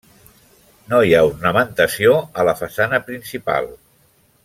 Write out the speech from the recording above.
No hi ha ornamentació a la façana principal.